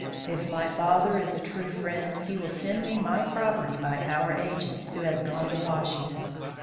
If my father is a true friend, he will send me my property by our agent, who has gone to Washington.